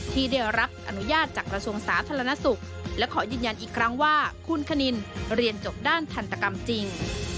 ที่ได้รับอนุญาตจากกระทรวงสาธารณสุขและขอยืนยันอีกครั้งว่าคุณคณินเรียนจบด้านทันตกรรมจริง